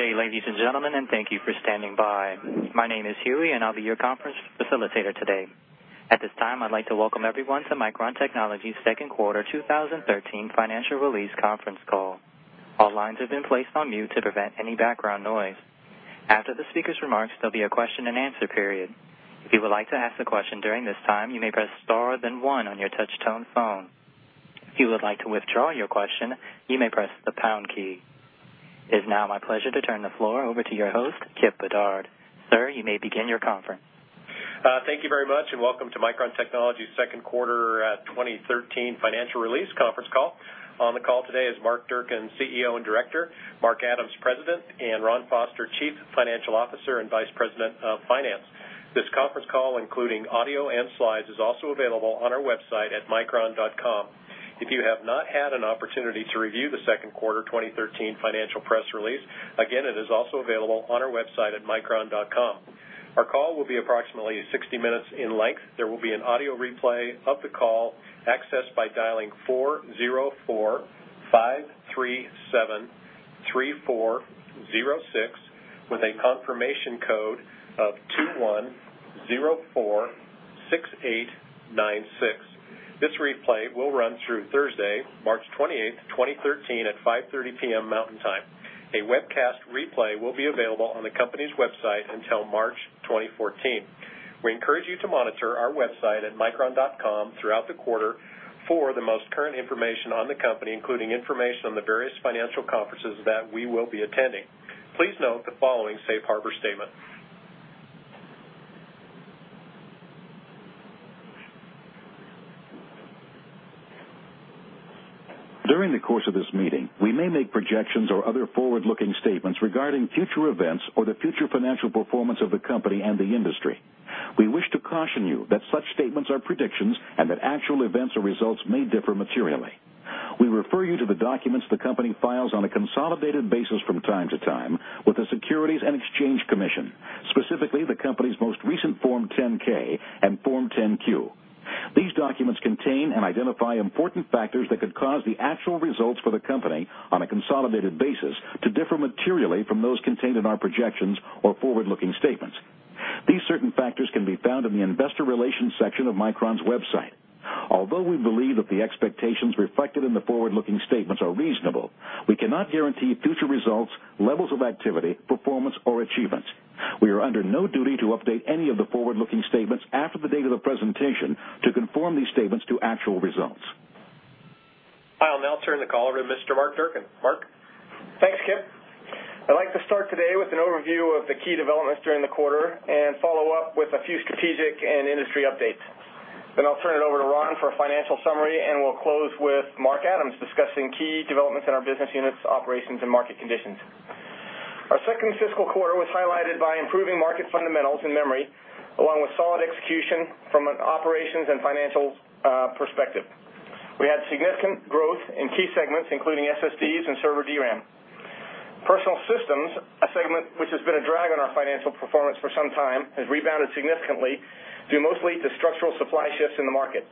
Good day, ladies and gentlemen, and thank you for standing by. My name is Huey and I'll be your conference facilitator today. At this time, I'd like to welcome everyone to Micron Technology's second quarter 2013 financial release conference call. All lines have been placed on mute to prevent any background noise. After the speaker's remarks, there'll be a question-and-answer period. If you would like to ask a question during this time, you may press star then one on your touch-tone phone. If you would like to withdraw your question, you may press the pound key. It is now my pleasure to turn the floor over to your host, Kipp Bedard. Sir, you may begin your conference. Thank you very much. Welcome to Micron Technology's second quarter 2013 financial release conference call. On the call today is Mark Durcan, CEO and Director, Mark Adams, President, and Ron Foster, Chief Financial Officer and Vice President of Finance. This conference call, including audio and slides, is also available on our website at micron.com. If you have not had an opportunity to review the second quarter 2013 financial press release, again, it is also available on our website at micron.com. Our call will be approximately 60 minutes in length. There will be an audio replay of the call, accessed by dialing 404-537-3406 with a confirmation code of 21046896. This replay will run through Thursday, March 28th, 2013, at 5:30 P.M. Mountain Time. A webcast replay will be available on the company's website until March 2014. We encourage you to monitor our website at micron.com throughout the quarter for the most current information on the company, including information on the various financial conferences that we will be attending. Please note the following safe harbor statement. During the course of this meeting, we may make projections or other forward-looking statements regarding future events or the future financial performance of the company and the industry. We wish to caution you that such statements are predictions and that actual events or results may differ materially. We refer you to the documents the company files on a consolidated basis from time to time with the Securities and Exchange Commission, specifically the company's most recent Form 10-K and Form 10-Q. These documents contain and identify important factors that could cause the actual results for the company on a consolidated basis to differ materially from those contained in our projections or forward-looking statements. These certain factors can be found in the investor relations section of Micron's website. Although we believe that the expectations reflected in the forward-looking statements are reasonable, we cannot guarantee future results, levels of activity, performance, or achievements. We are under no duty to update any of the forward-looking statements after the date of the presentation to conform these statements to actual results. I'll now turn the call over to Mr. Mark Durcan. Mark? Thanks, Kipp. I'd like to start today with an overview of the key developments during the quarter and follow up with a few strategic and industry updates. I'll turn it over to Ron for a financial summary, and we'll close with Mark Adams discussing key developments in our business units, operations, and market conditions. Our second fiscal quarter was highlighted by improving market fundamentals in memory, along with solid execution from an operations and financial perspective. We had significant growth in key segments, including SSDs and server DRAM. Personal systems, a segment which has been a drag on our financial performance for some time, has rebounded significantly due mostly to structural supply shifts in the market.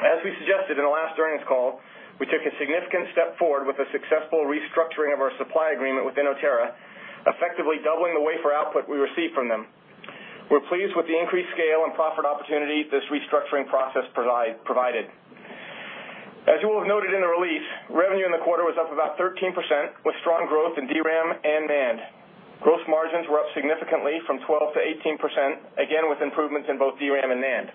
As we suggested in the last earnings call, we took a significant step forward with the successful restructuring of our supply agreement with Inotera, effectively doubling the wafer output we receive from them. We're pleased with the increased scale and profit opportunity this restructuring process provided. As you will have noted in the release, revenue in the quarter was up about 13%, with strong growth in DRAM and NAND. Gross margins were up significantly from 12%-18%, again with improvements in both DRAM and NAND.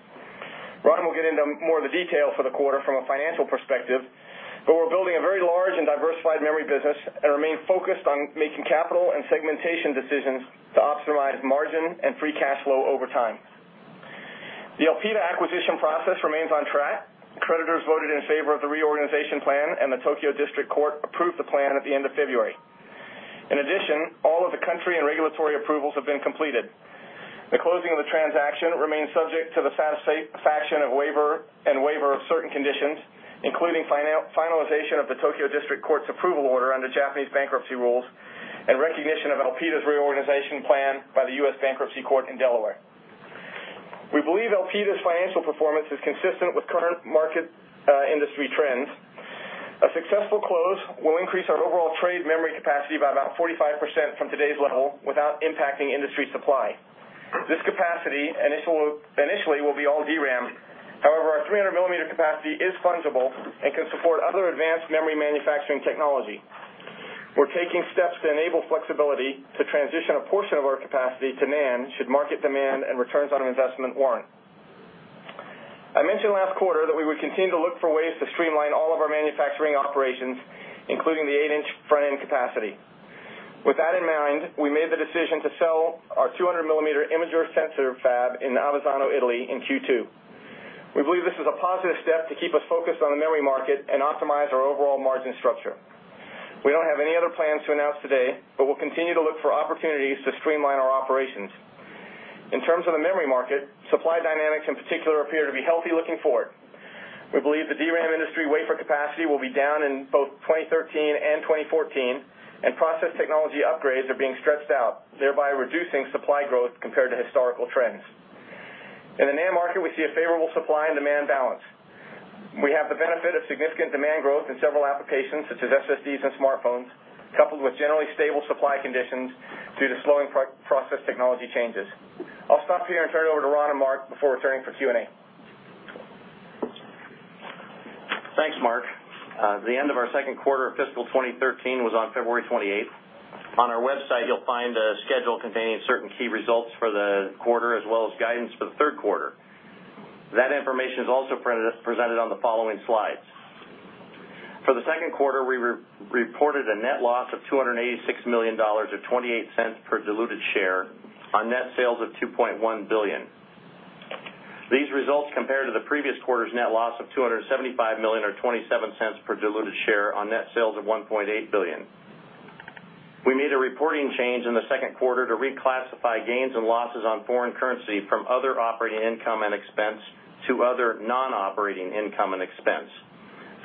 Ron will get into more of the detail for the quarter from a financial perspective, but we're building a very large and diversified memory business and remain focused on making capital and segmentation decisions to optimize margin and free cash flow over time. The Elpida acquisition process remains on track. Creditors voted in favor of the reorganization plan, and the Tokyo District Court approved the plan at the end of February. In addition, all of the country and regulatory approvals have been completed. The closing of the transaction remains subject to the satisfaction and waiver of certain conditions, including finalization of the Tokyo District Court's approval order under Japanese bankruptcy rules and recognition of Elpida's reorganization plan by the U.S. Bankruptcy Court in Delaware. We believe Elpida's financial performance is consistent with current market industry trends. A successful close will increase our overall trade memory capacity by about 45% from today's level without impacting industry supply. This capacity initially will be all DRAM. However, our 300-millimeter capacity is fungible and can support other advanced memory manufacturing technology. We're taking steps to enable flexibility to transition a portion of our capacity to NAND, should market demand and returns on investment warrant. I mentioned last quarter that we would continue to look for ways to streamline all of our manufacturing operations, including the eight-inch frame capacity. With that in mind, we made the decision to sell our 200-millimeter imager sensor fab in Avezzano, Italy, in Q2. We believe this is a positive step to keep us focused on the memory market and optimize our overall margin structure. We don't have any other plans to announce today, but we'll continue to look for opportunities to streamline our operations. In terms of the memory market, supply dynamics in particular appear to be healthy looking forward. We believe the DRAM industry wafer capacity will be down in both 2013 and 2014, and process technology upgrades are being stretched out, thereby reducing supply growth compared to historical trends. In the NAND market, we see a favorable supply and demand balance. We have the benefit of significant demand growth in several applications, such as SSDs and smartphones, coupled with generally stable supply conditions due to slowing process technology changes. I'll stop here and turn it over to Ron and Mark before turning for Q&A. Thanks, Mark. The end of our second quarter of fiscal 2013 was on February 28th. On our website, you'll find a schedule containing certain key results for the quarter, as well as guidance for the third quarter. That information is also presented on the following slides. For the second quarter, we reported a net loss of $286 million or $0.28 per diluted share on net sales of $2.1 billion. These results compare to the previous quarter's net loss of $275 million or $0.27 per diluted share on net sales of $1.8 billion. We made a reporting change in the second quarter to reclassify gains and losses on foreign currency from other operating income and expense to other non-operating income and expense.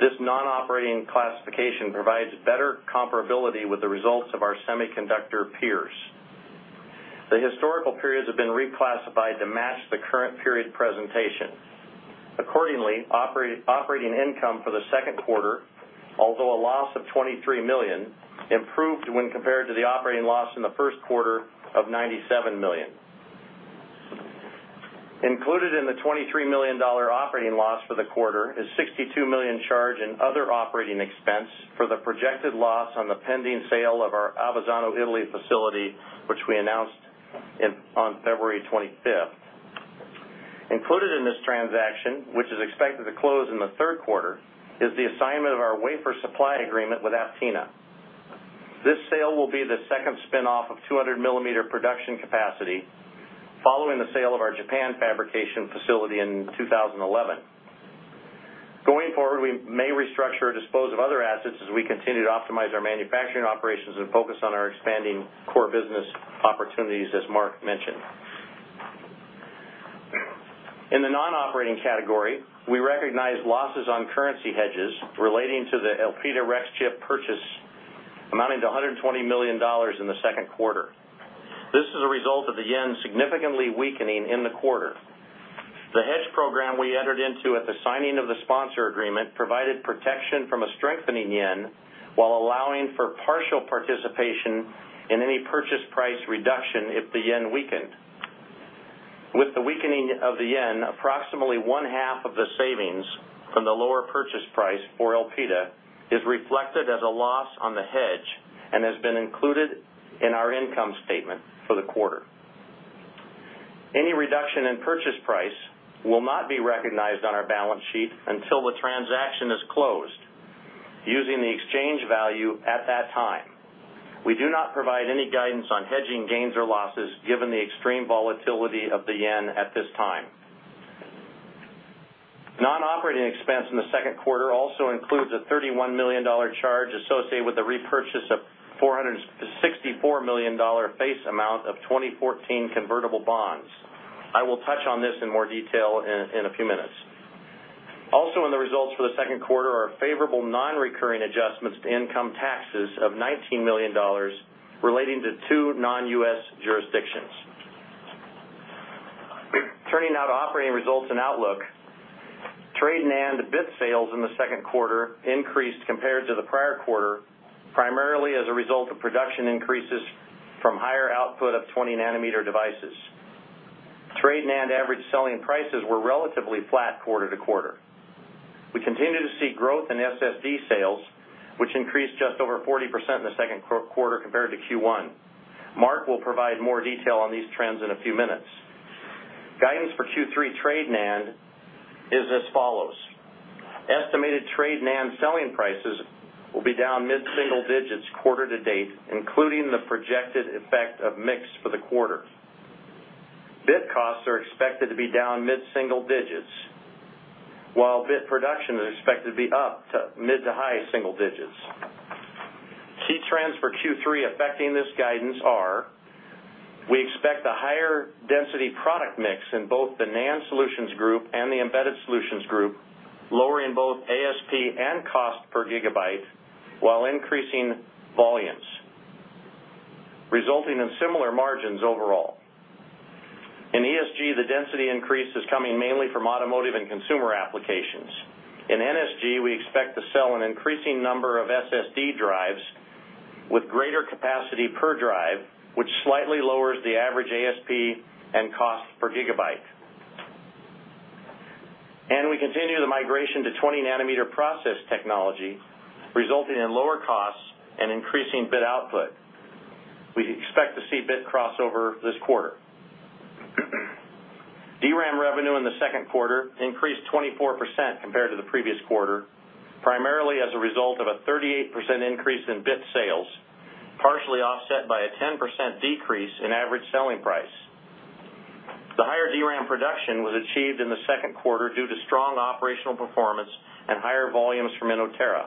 This non-operating classification provides better comparability with the results of our semiconductor peers. The historical periods have been reclassified to match the current period presentation. Accordingly, operating income for the second quarter, although a loss of $23 million, improved when compared to the operating loss in the first quarter of $97 million. Included in the $23 million operating loss for the quarter is $62 million charge in other operating expense for the projected loss on the pending sale of our Avezzano, Italy, facility, which we announced on February 25th. Included in this transaction, which is expected to close in the third quarter, is the assignment of our wafer supply agreement with Aptina. This sale will be the second spin-off of 200-millimeter production capacity, following the sale of our Japan fabrication facility in 2011. Going forward, we may restructure or dispose of other assets as we continue to optimize our manufacturing operations and focus on our expanding core business opportunities, as Mark mentioned. In the non-operating category, we recognize losses on currency hedges relating to the Elpida Rexchip purchase amounting to $120 million in the second quarter. This is a result of the yen significantly weakening in the quarter. The hedge program we entered into at the signing of the sponsor agreement provided protection from a strengthening yen while allowing for partial participation in any purchase price reduction if the yen weakened. With the weakening of the yen, approximately one-half of the savings from the lower purchase price for Elpida is reflected as a loss on the hedge and has been included in our income statement for the quarter. Any reduction in purchase price will not be recognized on our balance sheet until the transaction is closed using the exchange value at that time. We do not provide any guidance on hedging gains or losses, given the extreme volatility of the yen at this time. Non-operating expense in the second quarter also includes a $31 million charge associated with the repurchase of $464 million face amount of 2014 convertible bonds. I will touch on this in more detail in a few minutes. Also, in the results for the second quarter are favorable non-recurring adjustments to income taxes of $19 million relating to two non-U.S. jurisdictions. Turning now to operating results and outlook. Trade NAND bit sales in the second quarter increased compared to the prior quarter, primarily as a result of production increases from higher output of 20-nanometer devices. Trade NAND average selling prices were relatively flat quarter-to-quarter. We continue to see growth in SSD sales, which increased just over 40% in the second quarter compared to Q1. Mark will provide more detail on these trends in a few minutes. Guidance for Q3 trade NAND is as follows. Estimated trade NAND selling prices will be down mid-single digits quarter-to-date, including the projected effect of mix for the quarter. Bit costs are expected to be down mid-single digits, while bit production is expected to be up to mid-to-high single digits. Key trends for Q3 affecting this guidance are, we expect a higher density product mix in both the NAND Solutions Group and the Embedded Solutions Group, lowering both ASP and cost per gigabyte while increasing volumes, resulting in similar margins overall. In ESG, the density increase is coming mainly from automotive and consumer applications. In NSG, we expect to sell an increasing number of SSD drives with greater capacity per drive, which slightly lowers the average ASP and cost per gigabyte. We continue the migration to 20-nanometer process technology, resulting in lower costs and increasing bit output. We expect to see bit crossover this quarter. DRAM revenue in the second quarter increased 24% compared to the previous quarter, primarily as a result of a 38% increase in bit sales, partially offset by a 10% decrease in average selling price. The higher DRAM production was achieved in the second quarter due to strong operational performance and higher volumes from Inotera.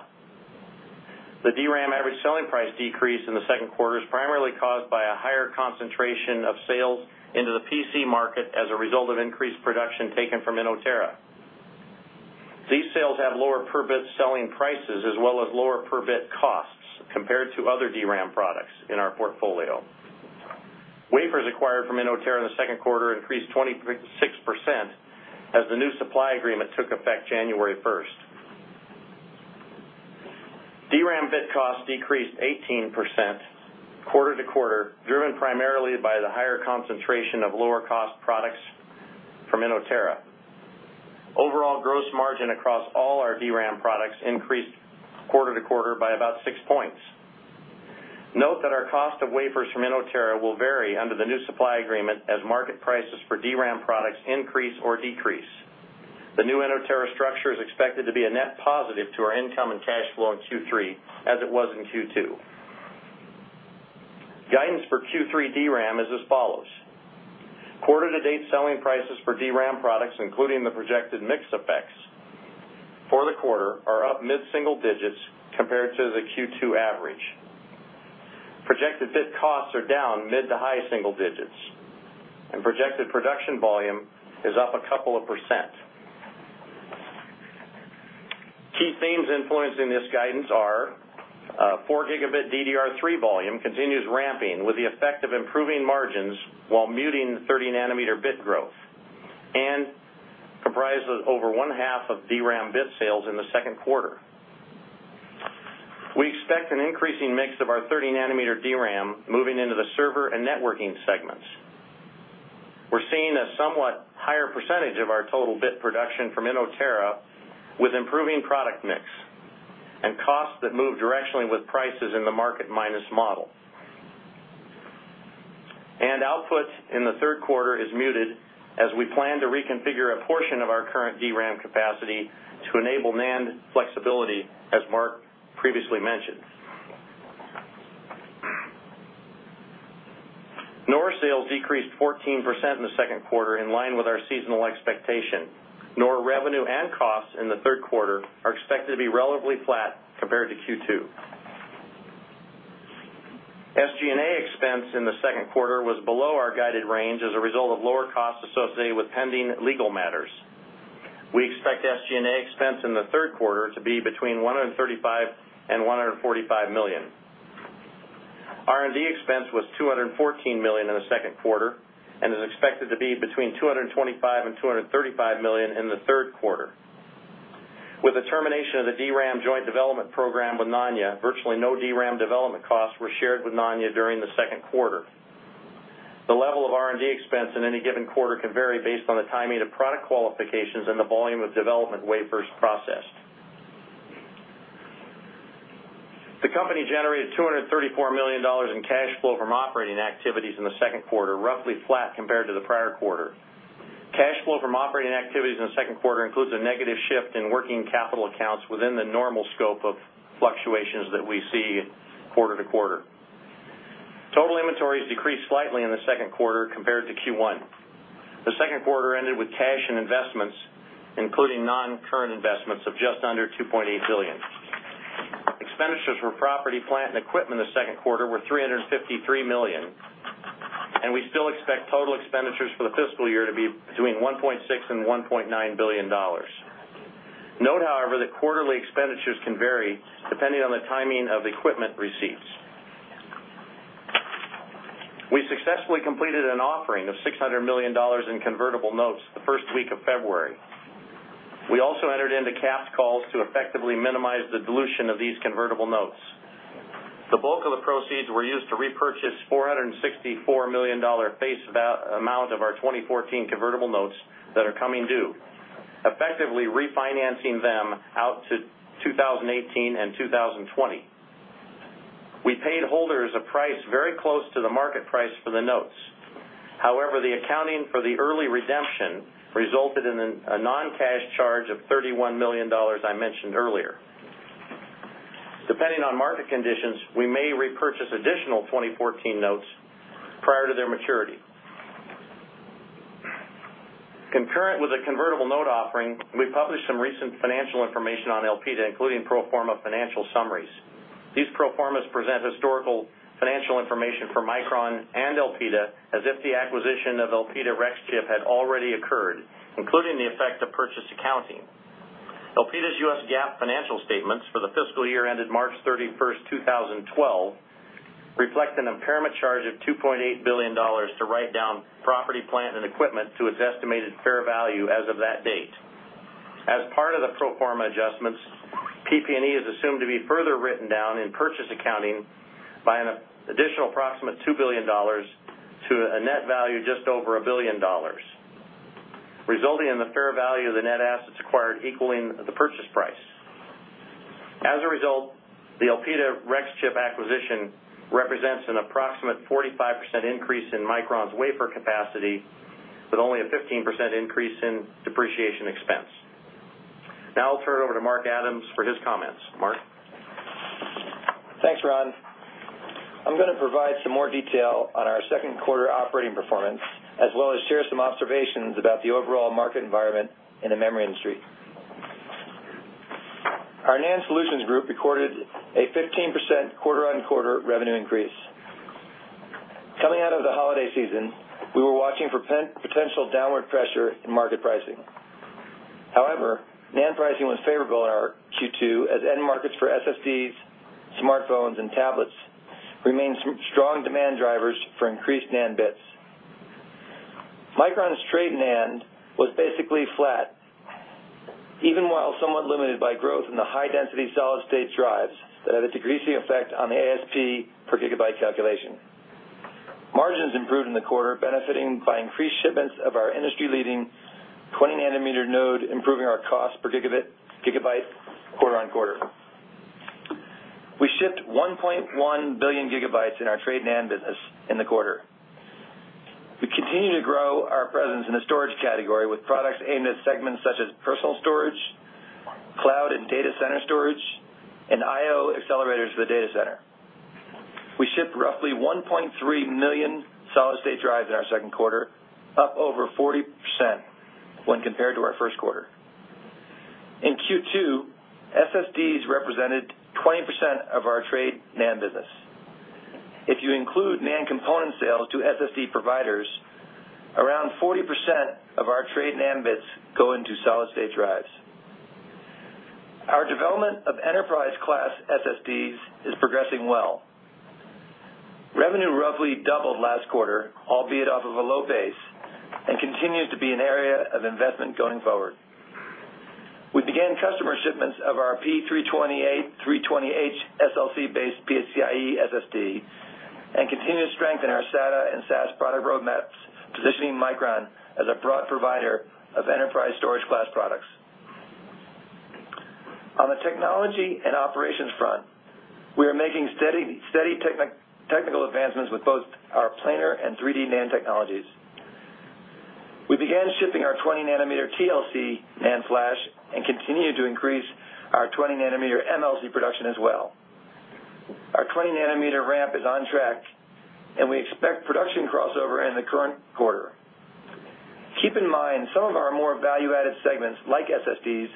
The DRAM average selling price decrease in the second quarter is primarily caused by a higher concentration of sales into the PC market as a result of increased production taken from Inotera. These sales have lower per-bit selling prices as well as lower per-bit costs compared to other DRAM products in our portfolio. Wafers acquired from Inotera in the second quarter increased 26% as the new supply agreement took effect January 1st. DRAM bit cost decreased 18% quarter-to-quarter, driven primarily by the higher concentration of lower-cost products from Inotera. Overall gross margin across all our DRAM products increased quarter-to-quarter by about six points. Note that our cost of wafers from Inotera will vary under the new supply agreement as market prices for DRAM products increase or decrease. The new Inotera structure is expected to be a net positive to our income and cash flow in Q3, as it was in Q2. Guidance for Q3 DRAM is as follows: quarter-to-date selling prices for DRAM products, including the projected mix effects for the quarter, are up mid-single digits compared to the Q2 average. Projected bit costs are down mid-to-high single digits, and projected production volume is up a couple of %. Key themes influencing this guidance are 4-gigabit DDR3 volume continues ramping with the effect of improving margins while muting the 30-nanometer bit growth and comprises over one-half of DRAM bit sales in the second quarter. We're seeing a somewhat higher percentage of our total bit production from Inotera with improving product mix and costs that move directionally with prices in the market minus model. Output in the third quarter is muted as we plan to reconfigure a portion of our current DRAM capacity to enable NAND flexibility, as Mark previously mentioned. NOR sales decreased 14% in the second quarter, in line with our seasonal expectation. NOR revenue and costs in the third quarter are expected to be relatively flat compared to Q2. SG&A expense in the second quarter was below our guided range as a result of lower costs associated with pending legal matters. We expect SG&A expense in the third quarter to be between $135 million and $145 million. R&D expense was $214 million in the second quarter and is expected to be between $225 million and $235 million in the third quarter. With the termination of the DRAM joint development program with Nanya, virtually no DRAM development costs were shared with Nanya during the second quarter. The level of R&D expense in any given quarter can vary based on the timing of product qualifications and the volume of development wafers processed. The company generated $234 million in cash flow from operating activities in the second quarter, roughly flat compared to the prior quarter. Cash flow from operating activities in the second quarter includes a negative shift in working capital accounts within the normal scope of fluctuations that we see quarter-over-quarter. Total inventories decreased slightly in the second quarter compared to Q1. The second quarter ended with cash and investments, including non-current investments of just under $2.8 billion. Expenditures for property, plant, and equipment in the second quarter were $353 million, and we still expect total expenditures for the fiscal year to be between $1.6 billion and $1.9 billion. Note, however, that quarterly expenditures can vary depending on the timing of equipment receipts. We successfully completed an offering of $600 million in convertible notes the first week of February. We also entered into cash calls to effectively minimize the dilution of these convertible notes. The bulk of the proceeds were used to repurchase $464 million face amount of our 2014 convertible notes that are coming due, effectively refinancing them out to 2018 and 2020. We paid holders a price very close to the market price for the notes. However, the accounting for the early redemption resulted in a non-cash charge of $31 million I mentioned earlier. Depending on market conditions, we may repurchase additional 2014 notes prior to their maturity. Concurrent with a convertible note offering, we published some recent financial information on Elpida, including pro forma financial summaries. These pro formas present historical financial information for Micron and Elpida as if the acquisition of Elpida Rexchip had already occurred, including the effect of purchase accounting. Elpida's US GAAP financial statements for the fiscal year ended March 31st, 2012, reflect an impairment charge of $2.8 billion to write down property, plant, and equipment to its estimated fair value as of that date. As part of the pro forma adjustments, PP&E is assumed to be further written down in purchase accounting by an additional approximate $2 billion to a net value just over $1 billion, resulting in the fair value of the net assets acquired equaling the purchase price. As a result, the Elpida Rexchip acquisition represents an approximate 45% increase in Micron's wafer capacity, with only a 15% increase in depreciation expense. Now I'll turn it over to Mark Adams for his comments. Mark? Thanks, Ron. I'm going to provide some more detail on our second quarter operating performance, as well as share some observations about the overall market environment in the memory industry. Our NAND Solutions Group recorded a 15% quarter-on-quarter revenue increase. Coming out of the holiday season, we were watching for potential downward pressure in market pricing. However, NAND pricing was favorable in our Q2 as end markets for SSDs, smartphones, and tablets remained strong demand drivers for increased NAND bits. Micron's trade NAND was basically flat, even while somewhat limited by growth in the high-density solid-state drives that have a decreasing effect on the ASP per gigabyte calculation. Margins improved in the quarter, benefiting by increased shipments of our industry-leading 20-nanometer node, improving our cost per gigabyte quarter-on-quarter. We shipped 1.1 billion gigabytes in our trade NAND business in the quarter. We continue to grow our presence in the storage category with products aimed at segments such as personal storage, cloud and data center storage, and IO accelerators for the data center. We shipped roughly 1.3 million solid-state drives in our second quarter, up over 40% when compared to our first quarter. In Q2, SSDs represented 20% of our trade NAND business. If you include NAND component sales to SSD providers, around 40% of our trade NAND bits go into solid-state drives. Our development of enterprise-class SSDs is progressing well. Revenue roughly doubled last quarter, albeit off of a low base, and continues to be an area of investment going forward. We began customer shipments of our P320h SLC-based PCIe SSD and continue to strengthen our SATA and SAS product roadmaps, positioning Micron as a broad provider of enterprise storage-class products. On the technology and operations front, we are making steady technical advancements with both our planar and 3D NAND technologies. We began shipping our 20-nanometer TLC NAND flash and continue to increase our 20-nanometer MLC production as well. Our 20-nanometer ramp is on track, and we expect production crossover in the current quarter. Keep in mind, some of our more value-added segments, like SSDs,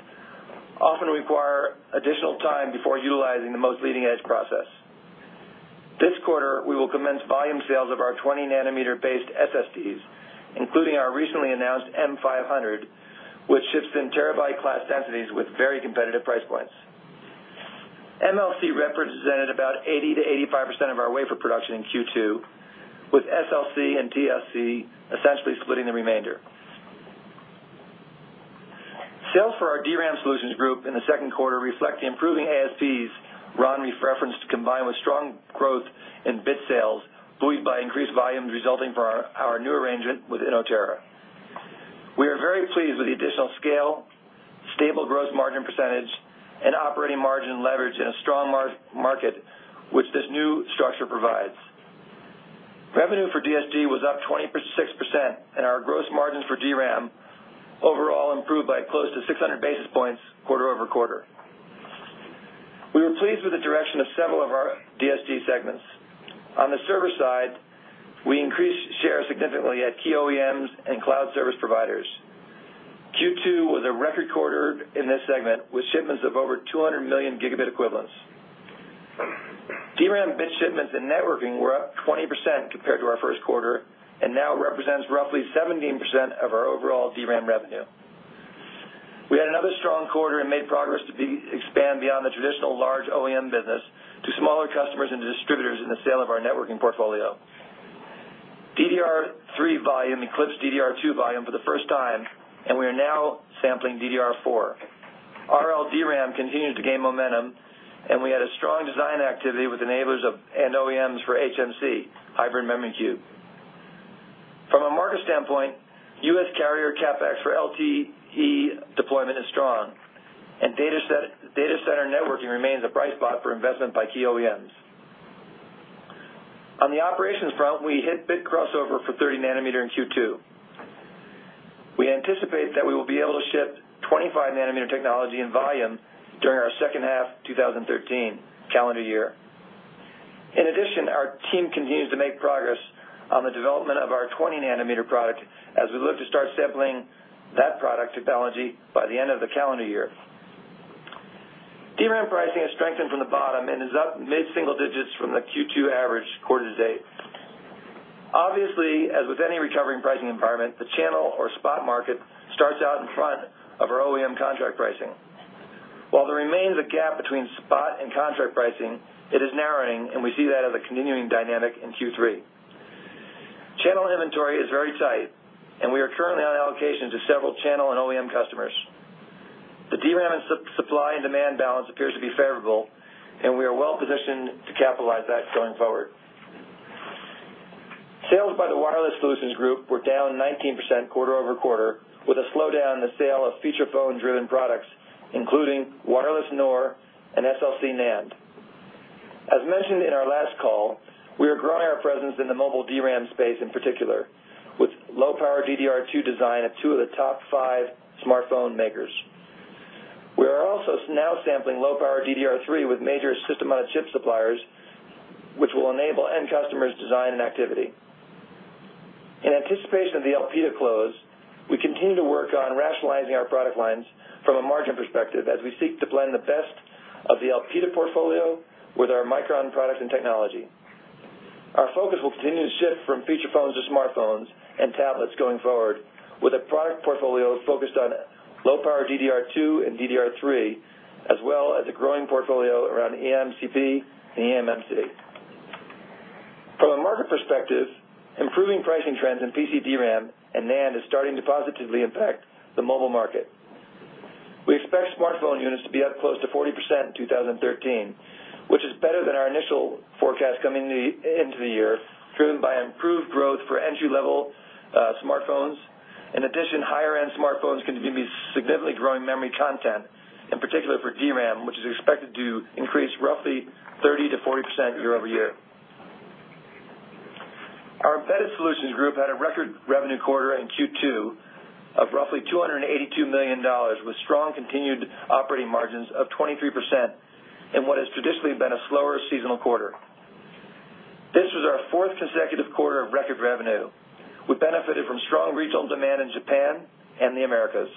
often require additional time before utilizing the most leading-edge process. This quarter, we will commence volume sales of our 20-nanometer based SSDs, including our recently announced M500, which ships in terabyte-class densities with very competitive price points. MLC represented about 80%-85% of our wafer production in Q2, with SLC and TLC essentially splitting the remainder. Sales for our DRAM Solutions Group in the second quarter reflect the improving ASPs Ron referenced, combined with strong growth in bit sales, buoyed by increased volumes, resulting from our new arrangement with Inotera. We are very pleased with the additional scale, stable gross margin percentage, and operating margin leverage in a strong market which this new structure provides. Revenue for DSG was up 26%, and our gross margins for DRAM overall improved by close to 600 basis points quarter-over-quarter. We were pleased with the direction of several of our DSG segments. On the server side, we increased share significantly at key OEMs and cloud service providers. Q2 was a record quarter in this segment, with shipments of over 200 million gigabit equivalents. DRAM bit shipments and networking were up 20% compared to our first quarter and now represents roughly 17% of our overall DRAM revenue. We had another strong quarter and made progress to expand beyond the traditional large OEM business to smaller customers and distributors in the sale of our networking portfolio. DDR3 volume eclipsed DDR2 volume for the first time, and we are now sampling DDR4. RLDRAM continues to gain momentum, and we had a strong design activity with enablers of and OEMs for HMC, Hybrid Memory Cube. From a market standpoint, U.S. carrier CapEx for LTE deployment is strong, and data center networking remains a bright spot for investment by key OEMs. On the operations front, we hit bit crossover for 30 nanometer in Q2. We anticipate that we will be able to ship 25-nanometer technology in volume during our second half 2013 calendar year. In addition, our team continues to make progress on the development of our 20-nanometer product as we look to start sampling that product technology by the end of the calendar year. DRAM pricing has strengthened from the bottom and is up mid-single digits from the Q2 average quarter-to-date. Obviously, as with any recovering pricing environment, the channel or spot market starts out in front of our OEM contract pricing. While there remains a gap between spot and contract pricing, it is narrowing, and we see that as a continuing dynamic in Q3. Channel inventory is very tight, and we are currently on allocation to several channel and OEM customers. The DRAM supply and demand balance appears to be favorable, and we are well-positioned to capitalize that going forward. Sales by the Wireless Solutions Group were down 19% quarter-over-quarter, with a slowdown in the sale of feature phone-driven products, including wireless NOR and SLC NAND. As mentioned in our last call, we are growing our presence in the mobile DRAM space in particular, with low-power DDR2 design at two of the top five smartphone makers. We are also now sampling low-power DDR3 with major system-on-a-chip suppliers, which will enable end customers' design and activity. In anticipation of the Elpida close, we continue to work on rationalizing our product lines from a margin perspective as we seek to blend the best of the Elpida portfolio with our Micron products and technology. Our focus will continue to shift from feature phones to smartphones and tablets going forward, with a product portfolio focused on low-power DDR2 and DDR3, as well as a growing portfolio around eMCP and eMMC. From a market perspective, improving pricing trends in PC DRAM and NAND is starting to positively impact the mobile market. We expect smartphone units to be up close to 40% in 2013, which is better than our initial forecast coming into the year, driven by improved growth for entry-level smartphones. In addition, higher-end smartphones continue to be significantly growing memory content, in particular for DRAM, which is expected to increase roughly 30%-40% year-over-year. Our Embedded Solutions Group had a record revenue quarter in Q2 of roughly $282 million, with strong continued operating margins of 23% in what has traditionally been a slower seasonal quarter. This was our fourth consecutive quarter of record revenue. We benefited from strong regional demand in Japan and the Americas.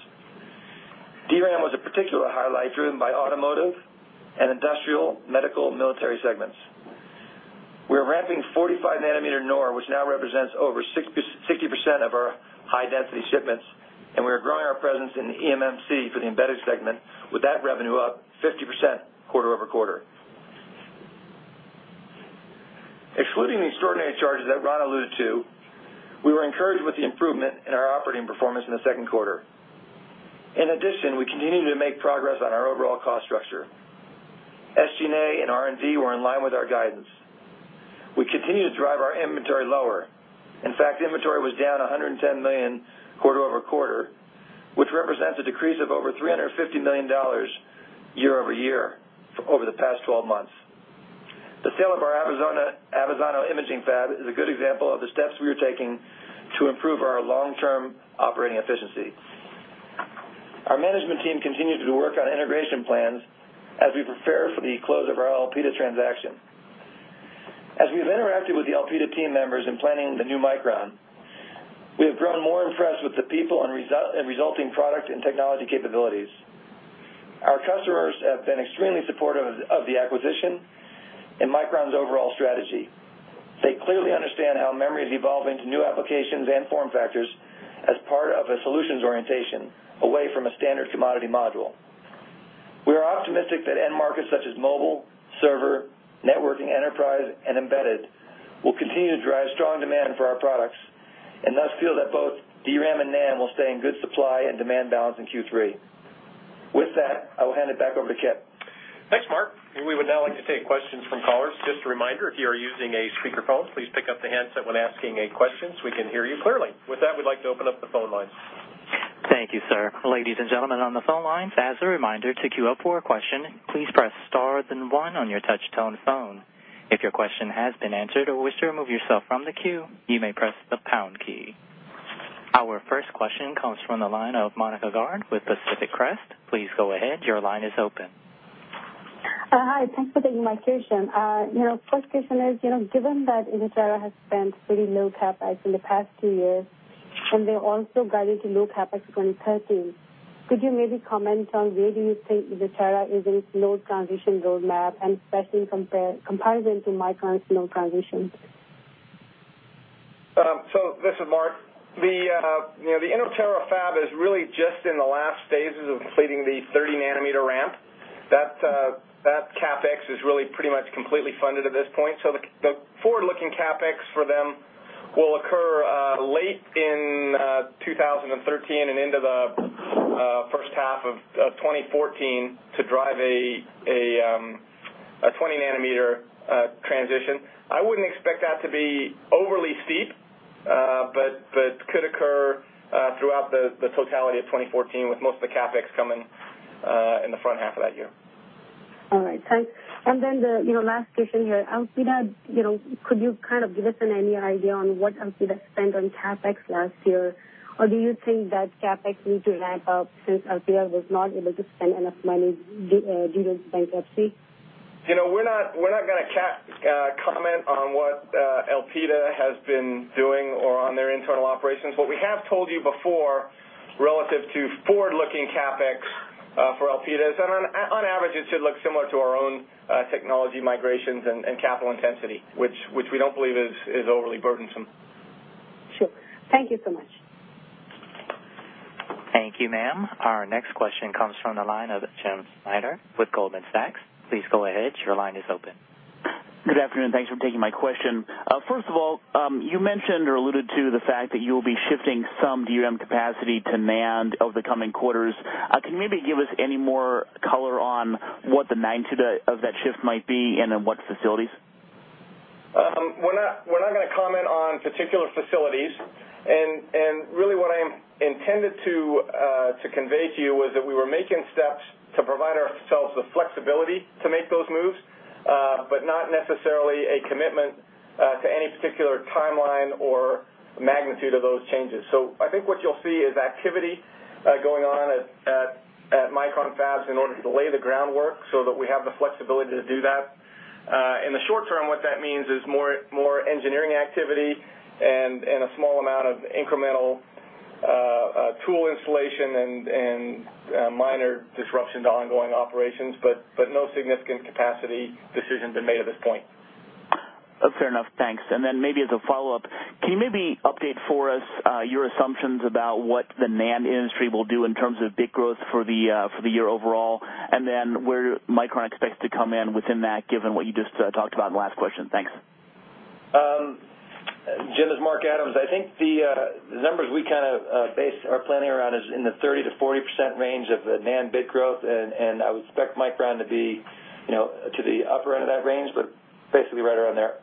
DRAM was a particular highlight driven by automotive and industrial, medical, military segments. We are ramping 45 nanometer NOR, which now represents over 60% of our high-density shipments, and we are growing our presence in eMMC for the embedded segment, with that revenue up 50% quarter-over-quarter. Excluding the extraordinary charges that Ron alluded to, we were encouraged with the improvement in our operating performance in the second quarter. In addition, we continue to make progress on our overall cost structure. SG&A and R&D were in line with our guidance. We continue to drive our inventory lower. In fact, inventory was down $110 million quarter-over-quarter, which represents a decrease of over $350 million year-over-year over the past 12 months. The sale of our Avezzano imaging fab is a good example of the steps we are taking to improve our long-term operating efficiency. Our management team continues to work on integration plans as we prepare for the close of our Elpida transaction. As we've interacted with the Elpida team members in planning the new Micron, we have grown more impressed with the people and resulting product and technology capabilities. Our customers have been extremely supportive of the acquisition and Micron's overall strategy. They clearly understand how memory is evolving to new applications and form factors as part of a solutions orientation away from a standard commodity module. We are optimistic that end markets such as mobile, server, networking, enterprise, and embedded will continue to drive strong demand for our products, and thus feel that both DRAM and NAND will stay in good supply and demand balance in Q3. With that, I will hand it back over to Kipp. Thanks, Mark. We would now like to take questions from callers. Just a reminder, if you are using a speakerphone, please pick up the handset when asking a question so we can hear you clearly. With that, we'd like to open up the phone lines. Thank you, sir. Ladies and gentlemen on the phone lines, as a reminder, to queue up for a question, please press star then one on your touch-tone phone. If your question has been answered or wish to remove yourself from the queue, you may press the pound key. Our first question comes from the line of Monika Garg with Pacific Crest. Please go ahead. Your line is open. Hi. Thanks for taking my question. First question is, given that Inotera has spent pretty low CapEx in the past two years, and they're also guiding to low CapEx in 2013, could you maybe comment on where do you think Inotera is in its node transition roadmap, and especially comparison to Micron's node transitions? This is Mark. The Inotera fab is really just in the last stages of completing the 30-nanometer ramp. That CapEx is really pretty much completely funded at this point. The forward-looking CapEx for them will occur late in 2013 and into the first half of 2014 to drive a 20-nanometer transition. I wouldn't expect that to be overly steep, but could occur throughout the totality of 2014 with most of the CapEx coming in the front half of that year. All right. Thanks. The last question here. Elpida, could you kind of give us any idea on what Elpida spent on CapEx last year? Do you think that CapEx needs to ramp up since Elpida was not able to spend enough money due to its bankruptcy? We're not going to comment on what Elpida has been doing or on their internal operations. What we have told you before, relative to forward-looking CapEx for Elpida, is that on average, it should look similar to our own technology migrations and capital intensity, which we don't believe is overly burdensome. Sure. Thank you so much. Thank you, ma'am. Our next question comes from the line of James Schneider with Goldman Sachs. Please go ahead. Your line is open. Good afternoon. Thanks for taking my question. First of all, you mentioned or alluded to the fact that you will be shifting some DRAM capacity to NAND over the coming quarters. Can you maybe give us any more color on what the magnitude of that shift might be and in what facilities? We're not going to comment on particular facilities, really what I intended to convey to you was that we were making steps to provide ourselves the flexibility to make those moves, not necessarily a commitment to any particular timeline or magnitude of those changes. I think what you'll see is activity going on at Micron fabs in order to lay the groundwork so that we have the flexibility to do that. In the short term, what that means is more engineering activity and a small amount of incremental tool installation and minor disruption to ongoing operations, no significant capacity decisions are made at this point. Fair enough. Thanks. Maybe as a follow-up, can you maybe update for us your assumptions about what the NAND industry will do in terms of bit growth for the year overall, and where Micron expects to come in within that, given what you just talked about in the last question? Thanks. Jim, this is Mark Adams. I think the numbers we base our planning around is in the 30%-40% range of NAND bit growth. I would expect Micron to be to the upper end of that range, basically right around there.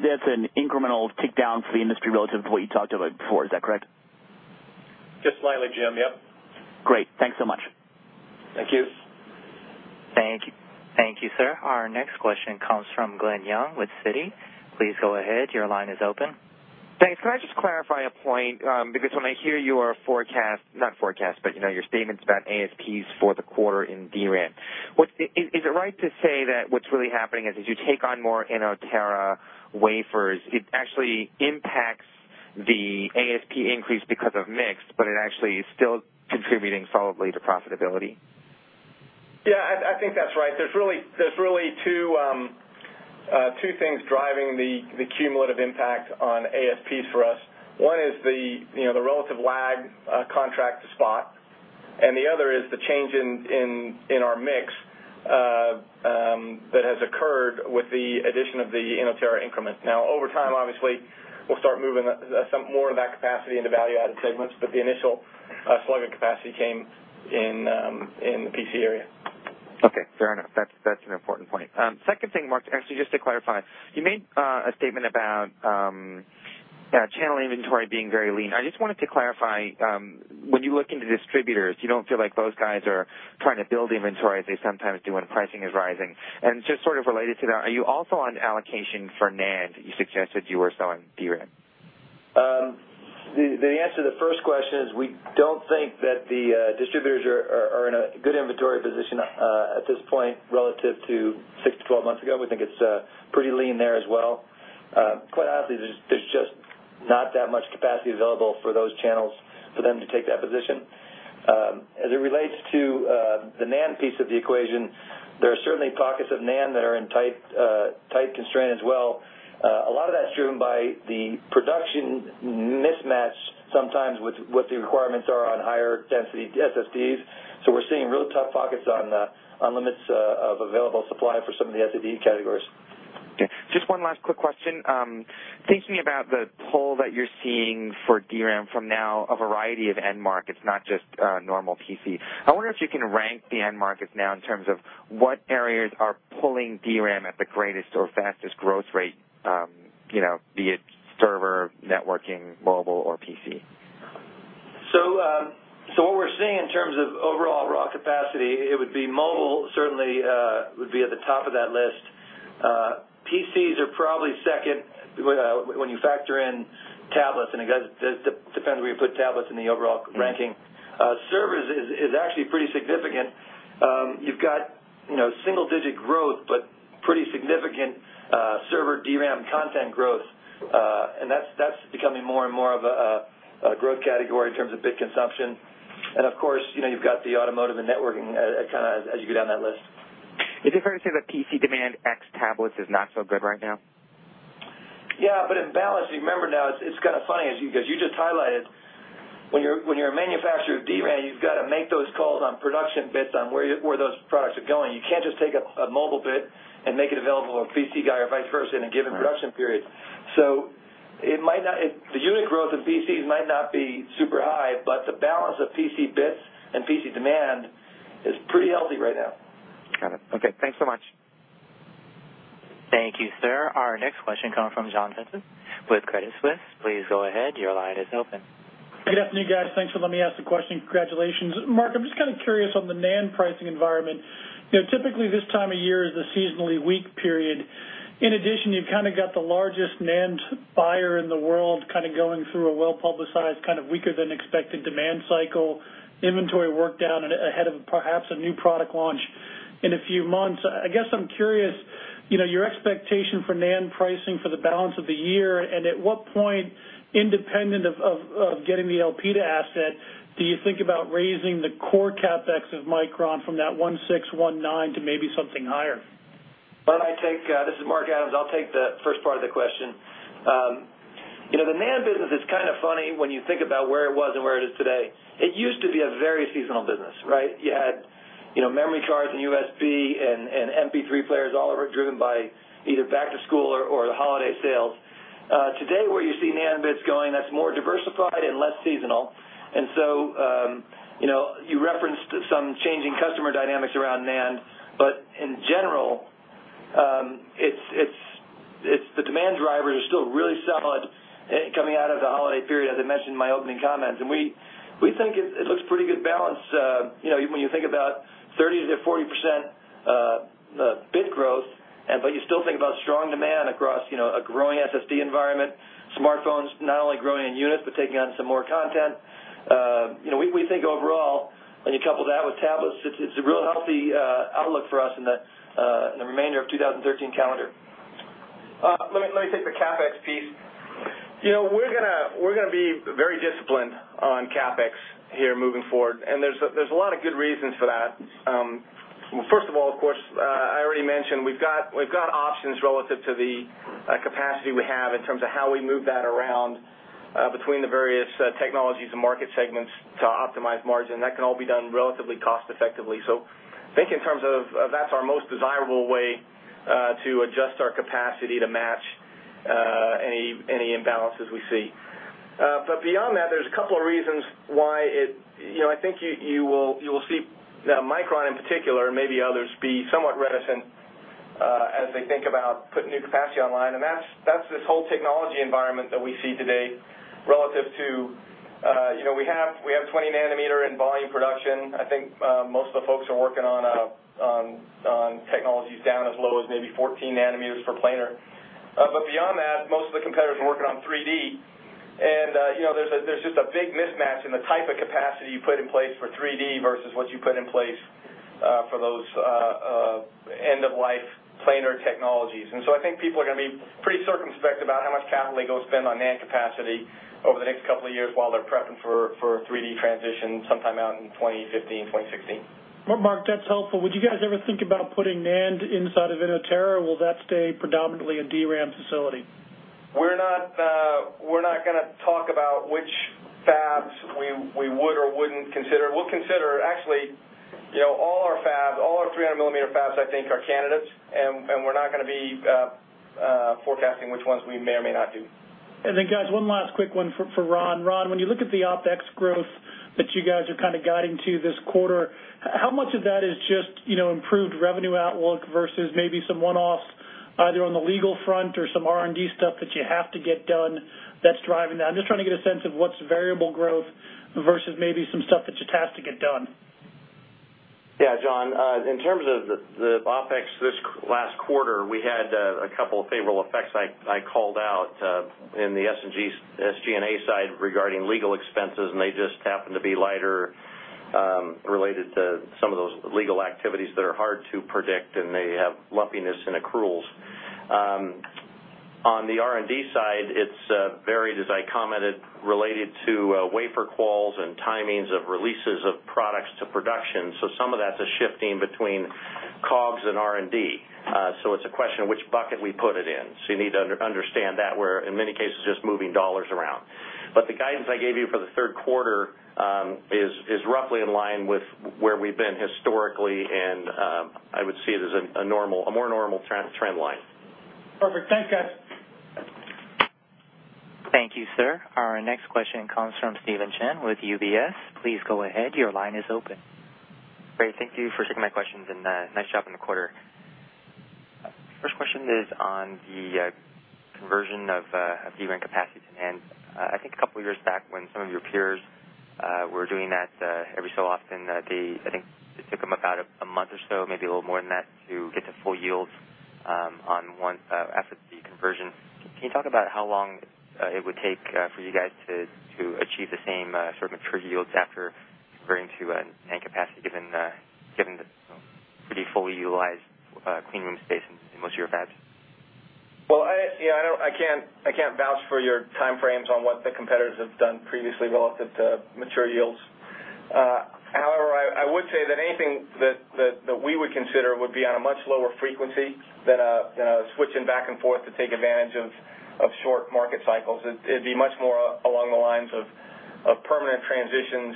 That's an incremental tick down for the industry relative to what you talked about before. Is that correct? Just slightly, Jim. Yep. Great. Thanks so much. Thank you. Thank you, sir. Our next question comes from Glen Yeung with Citi. Please go ahead. Your line is open. Thanks. Can I just clarify a point? When I hear your statements about ASPs for the quarter in DRAM, is it right to say that what's really happening is as you take on more Inotera wafers, it actually impacts the ASP increase because of mix, but it actually is still contributing solidly to profitability? Yeah, I think that's right. There's really two things driving the cumulative impact on ASPs for us. One is the relative lag contract to spot, and the other is the change in our mix that has occurred with the addition of the Inotera increment. Over time, obviously, we'll start moving some more of that capacity into value-added segments, but the initial slug of capacity came in the PC area. Okay, fair enough. That's an important point. Second thing, Mark, actually, just to clarify, you made a statement about channel inventory being very lean. I just wanted to clarify, when you look into distributors, you don't feel like those guys are trying to build inventory as they sometimes do when pricing is rising. Just sort of related to that, are you also on allocation for NAND, you suggested you were selling DRAM. The answer to the first question is we don't think that the distributors are in a good inventory position at this point relative to 6-12 months ago. We think it's pretty lean there as well. Quite honestly, there's just not that much capacity available for those channels for them to take that position. As it relates to the NAND piece of the equation, there are certainly pockets of NAND that are in tight constraint as well. A lot of that's driven by the production mismatch sometimes with what the requirements are on higher density SSDs. We're seeing really tough pockets on limits of available supply for some of the SSD categories. Okay, just one last quick question. Thinking about the pull that you're seeing for DRAM from now, a variety of end markets, not just normal PC, I wonder if you can rank the end markets now in terms of what areas are pulling DRAM at the greatest or fastest growth rate, be it server, networking, mobile, or PC. What we're seeing in terms of overall raw capacity, it would be mobile certainly would be at the top of that list. PCs are probably second when you factor in tablets, and it depends where you put tablets in the overall ranking. Servers is actually pretty significant. You've got single-digit growth, but pretty significant server DRAM content growth. That's becoming more and more of a growth category in terms of bit consumption. Of course, you've got the automotive and networking as you go down that list. Is it fair to say that PC demand ex tablets is not so good right now? In balance, remember now, it's kind of funny, as you just highlighted, when you're a manufacturer of DRAM, you've got to make those calls on production bits on where those products are going. You can't just take a mobile bit and make it available to a PC guy or vice versa in a given production period. The unit growth in PCs might not be super high, but the balance of PC bits and PC demand is pretty healthy right now. Got it. Okay, thanks so much. Thank you, sir. Our next question comes from John Pitzer with Credit Suisse. Please go ahead. Your line is open. Good afternoon, guys. Thanks for letting me ask the question. Congratulations. Mark, I'm just kind of curious on the NAND pricing environment. Typically, this time of year is a seasonally weak period. In addition, you've kind of got the largest NAND buyer in the world going through a well-publicized, kind of weaker than expected demand cycle, inventory work down ahead of perhaps a new product launch in a few months. I guess I'm curious, your expectation for NAND pricing for the balance of the year, and at what point, independent of getting the Elpida asset, do you think about raising the core CapEx of Micron from that $1.6 billion, $1.9 billion to maybe something higher? This is Mark Adams. I'll take the first part of the question. The NAND business is kind of funny when you think about where it was and where it is today. It used to be a very seasonal business, right? You had memory cards and USB and MP3 players, all of it driven by either back to school or the holiday sales. Today, where you see NAND bits going, that's more diversified and less seasonal. You referenced some changing customer dynamics around NAND, but in general, the demand drivers are still really solid coming out of the holiday period, as I mentioned in my opening comments. We think it looks pretty good balance when you think about 30%-40%. You still think about strong demand across a growing SSD environment, smartphones not only growing in units, but taking on some more content. We think overall, when you couple that with tablets, it's a real healthy outlook for us in the remainder of 2013 calendar. Let me take the CapEx piece. We're going to be very disciplined on CapEx here moving forward, there's a lot of good reasons for that. First of all, of course, I already mentioned we've got options relative to the capacity we have in terms of how we move that around between the various technologies and market segments to optimize margin. That can all be done relatively cost-effectively. Think in terms of, that's our most desirable way to adjust our capacity to match any imbalances we see. Beyond that, there's a couple of reasons why I think you will see Micron in particular, and maybe others, be somewhat reticent as they think about putting new capacity online, and that's this whole technology environment that we see today relative to. We have 20-nanometer in volume production. I think most of the folks are working on technologies down as low as maybe 14-nanometer for planar. Beyond that, most of the competitors are working on 3D, and there's just a big mismatch in the type of capacity you put in place for 3D versus what you put in place for those end-of-life planar technologies. I think people are going to be pretty circumspect about how much capital they go spend on NAND capacity over the next couple of years while they're prepping for a 3D transition sometime out in 2015, 2016. Mark, that's helpful. Would you guys ever think about putting NAND inside of Inotera, or will that stay predominantly a DRAM facility? We're not going to talk about which fabs we would or wouldn't consider. Actually, all our 300-millimeter fabs, I think, are candidates, and we're not going to be forecasting which ones we may or may not do. Guys, one last quick one for Ron. Ron, when you look at the OpEx growth that you guys are kind of guiding to this quarter, how much of that is just improved revenue outlook versus maybe some one-offs, either on the legal front or some R&D stuff that you have to get done that's driving that? I'm just trying to get a sense of what's variable growth versus maybe some stuff that you just have to get done. Yeah, John. In terms of the OpEx this last quarter, we had a couple of favorable effects I called out in the SG&A side regarding legal expenses. They just happened to be lighter, related to some of those legal activities that are hard to predict, and they have lumpiness and accruals. On the R&D side, it's varied, as I commented, related to wafer quals and timings of releases of products to production. Some of that's a shifting between COGS and R&D. It's a question of which bucket we put it in. You need to understand that we're, in many cases, just moving dollars around. The guidance I gave you for the third quarter is roughly in line with where we've been historically, and I would see it as a more normal trend line. Perfect. Thanks, guys. Thank you, sir. Our next question comes from Stephen Chin with UBS. Please go ahead. Your line is open. Great. Thank you for taking my questions and nice job on the quarter. First question is on the conversion of DRAM capacity to NAND. I think a couple of years back when some of your peers were doing that every so often, I think it took them about a month or so, maybe a little more than that, to get to full yields on one SSD conversion. Can you talk about how long it would take for you guys to achieve the same sort of mature yields after converting to a NAND capacity, given the pretty fully utilized clean room space in most of your fabs? Well, I can't vouch for your time frames on what the competitors have done previously relative to mature yields. However, I would say that anything that we would consider would be on a much lower frequency than switching back and forth to take advantage of short market cycles. It'd be much more along the lines of permanent transitions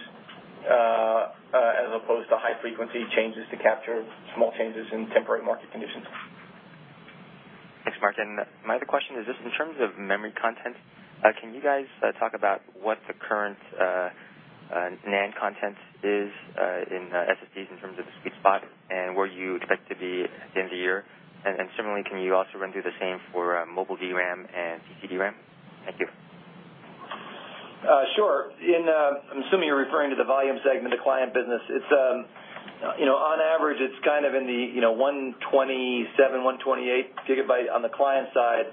as opposed to high-frequency changes to capture small changes in temporary market conditions. Thanks, Mark. My other question is just in terms of memory content, can you guys talk about what the current NAND content is in SSDs in terms of the sweet spot, and where you expect to be at the end of the year? Similarly, can you also run through the same for mobile DRAM and PC DRAM? Thank you. Sure. I'm assuming you're referring to the volume segment, the client business. On average, it's kind of in the 127, 128 gigabyte on the client side.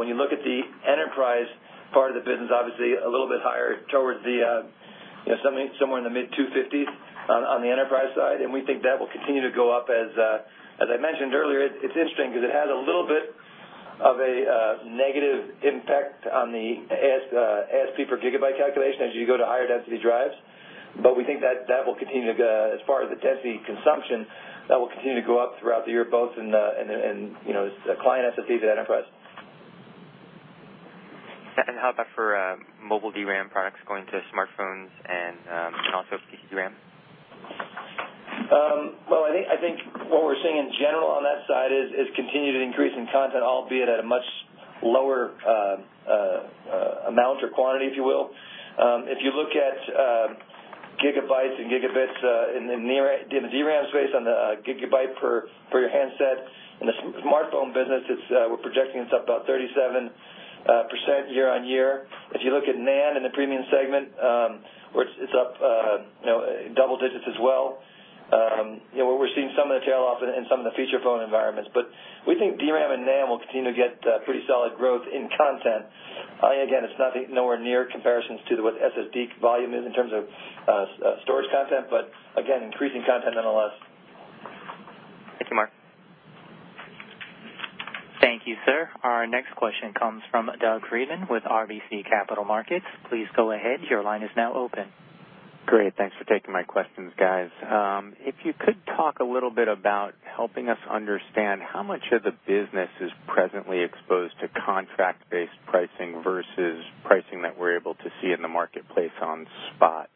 When you look at the enterprise part of the business, obviously a little bit higher towards somewhere in the mid-250s on the enterprise side, and we think that will continue to go up. As I mentioned earlier, it's interesting because it has a little bit of a negative impact on the ASP per gigabyte calculation as you go to higher density drives. We think that that will continue to go, as far as the density consumption, that will continue to go up throughout the year, both in the client SSDs and enterprise. How about for mobile DRAM products going to smartphones and also PC DRAM? Well, I think what we're seeing in general on that side is continued increase in content, albeit at a much lower amount or quantity, if you will. If you look at gigabytes and gigabits in the DRAM space, on the gigabyte per your handset, in the smartphone business, we're projecting it's up about 37% year-on-year. If you look at NAND in the premium segment, it's up double digits as well. We're seeing some of the tail off in some of the feature phone environments. We think DRAM and NAND will continue to get pretty solid growth in content. Again, it's nowhere near comparisons to what SSD volume is in terms of storage content. Again, increasing content nonetheless. Thank you, Mark. Thank you, sir. Our next question comes from Doug Freedman with RBC Capital Markets. Please go ahead. Your line is now open. Great. Thanks for taking my questions, guys. If you could talk a little bit about helping us understand how much of the business is presently exposed to contract-based pricing versus pricing that we're able to see in the marketplace on spot.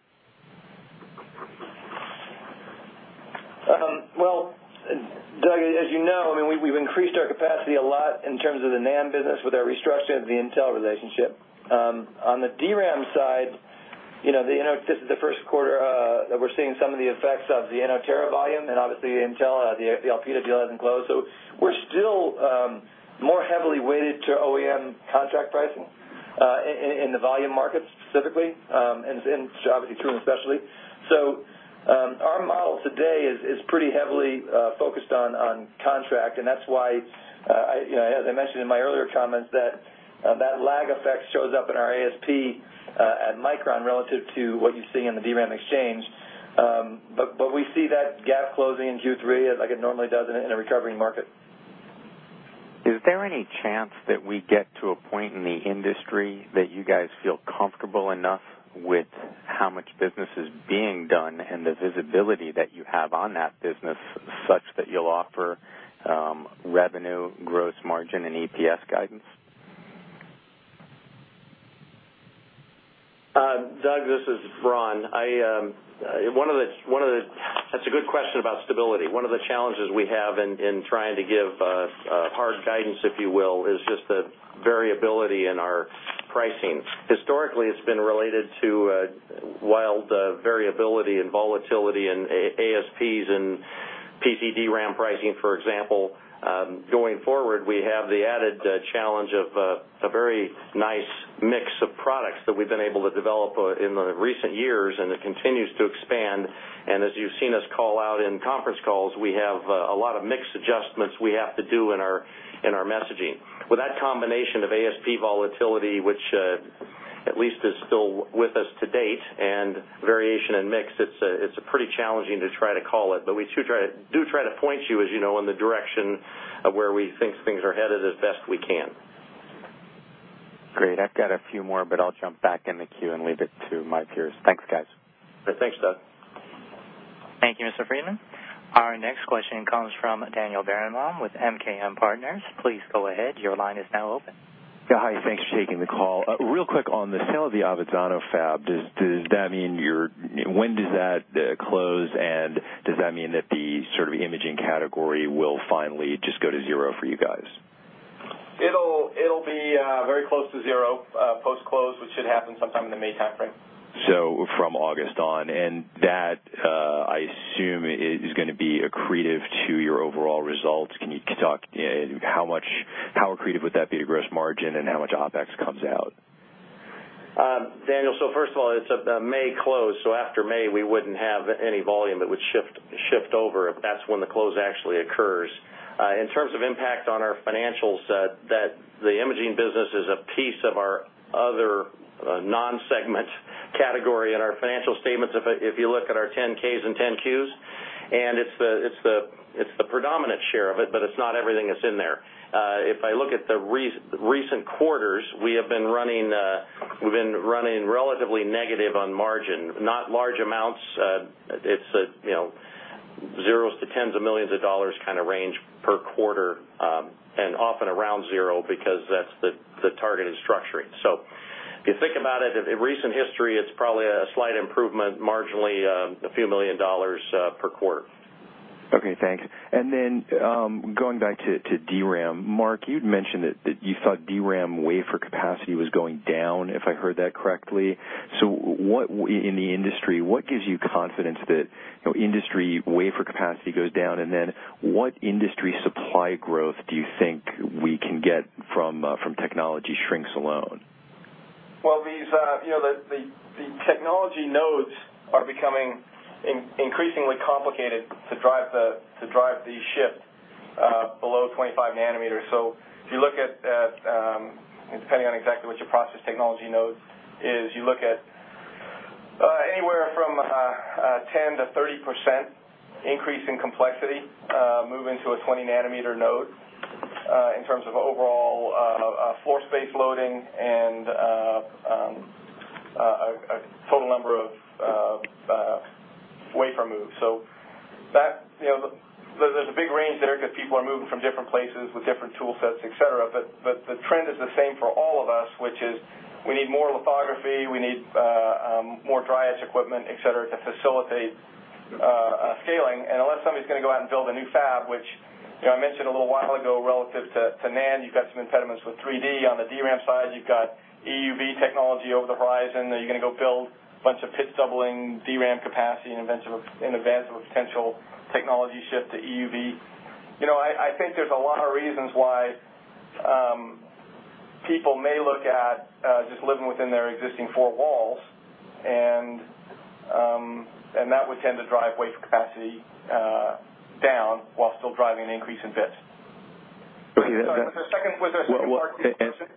Well, Doug, as you know, we've increased our capacity a lot in terms of the NAND business with our restructure of the Intel relationship. On the DRAM side, this is the first quarter that we're seeing some of the effects of the Inotera volume, and obviously Intel, the Elpida deal hasn't closed. We're still more heavily weighted to OEM contract pricing in the volume markets specifically, and in Japan through especially. Our model today is pretty heavily focused on contract, and that's why, as I mentioned in my earlier comments, that lag effect shows up in our ASP at Micron relative to what you see in the DRAMeXchange. We see that gap closing in Q3 like it normally does in a recovering market. Is there any chance that we get to a point in the industry that you guys feel comfortable enough with how much business is being done and the visibility that you have on that business, such that you'll offer revenue, gross margin and EPS guidance? Doug, this is Ron. That's a good question about stability. One of the challenges we have in trying to give hard guidance, if you will, is just the variability in our pricing. Historically, it's been related to wild variability and volatility in ASPs and PC DRAM pricing, for example. Going forward, we have the added challenge of a very nice mix of products that we've been able to develop in the recent years, and it continues to expand. As you've seen us call out in conference calls, we have a lot of mix adjustments we have to do in our messaging. With that combination of ASP volatility, which at least is still with us to date, and variation in mix, it's pretty challenging to try to call it. We do try to point you, as you know, in the direction of where we think things are headed as best we can. Great. I've got a few more, but I'll jump back in the queue and leave it to my peers. Thanks, guys. Thanks, Doug. Thank you, Mr. Freedman. Our next question comes from Daniel Berenbaum with MKM Partners. Please go ahead. Your line is now open. Yeah. Hi. Thanks for taking the call. Real quick on the sale of the Avezzano fab. When does that close, and does that mean that the sort of imaging category will finally just go to zero for you guys? It'll be very close to zero post-close, which should happen sometime in the May timeframe. From August on. That, I assume, is going to be accretive to your overall results. Can you talk how accretive would that be to gross margin and how much OpEx comes out? Daniel, first of all, it's a May close, after May, we wouldn't have any volume. It would shift over if that's when the close actually occurs. In terms of impact on our financials, the imaging business is a piece of our other non-segment category in our financial statements if you look at our Form 10-Ks and Form 10-Qs, and it's the predominant share of it, but it's not everything that's in there. If I look at the recent quarters, we've been running relatively negative on margin. Not large amounts. It's zeros to tens of millions of dollars kind of range per quarter, and often around zero because that's the targeted structuring. If you think about it, in recent history, it's probably a slight improvement, marginally a few million dollars per quarter. Okay, thanks. Then going back to DRAM, Mark, you'd mentioned that you thought DRAM wafer capacity was going down, if I heard that correctly. In the industry, what gives you confidence that industry wafer capacity goes down? Then what industry supply growth do you think we can get from technology shrinks alone? The technology nodes are becoming increasingly complicated to drive the shift below 25 nanometers. If you look at, depending on exactly what your process technology node is, you look at anywhere from 10%-30% increase in complexity moving to a 20 nanometer node in terms of overall floor space loading and a total number of wafer moves. There's a big range there because people are moving from different places with different tool sets, et cetera. The trend is the same for all of us, which is we need more lithography, we need more dry etch equipment, et cetera, to facilitate scaling. Unless somebody's going to go out and build a new fab, which I mentioned a little while ago, relative to NAND, you've got some impediments with 3D. On the DRAM side, you've got EUV technology over the horizon. Are you going to go build a bunch of pitch doubling DRAM capacity in advance of a potential technology shift to EUV? I think there's a lot of reasons why people may look at just living within their existing four walls, and that would tend to drive wafer capacity down while still driving an increase in bits. Okay. Sorry, was there a second part to your question?